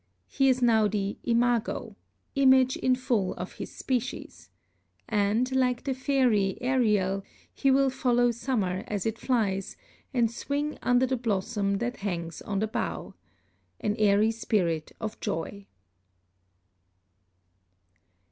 He is now the imago "image in full of his species," and, like the fairy, Ariel, he will follow summer as it flies, and swing "under the blossom that hangs on the bough" an airy spirit of joy!